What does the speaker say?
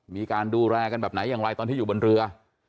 มีการดูแลกันแบบไหนอย่างไรตอนที่อยู่บนเรือ